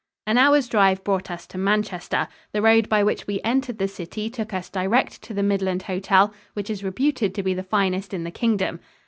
An hour's drive brought us to Manchester. The road by which we entered the city took us direct to the Midland Hotel, which is reputed to be the finest in the Kingdom.